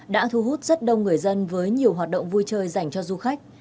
đã thu hút rất đông người dân với nhiều hoạt động vui chơi dành cho du khách